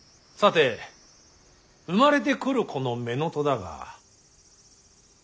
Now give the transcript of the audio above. さて生まれてくる子の乳母だが。